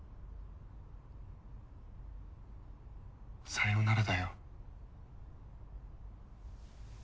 さようならだよ。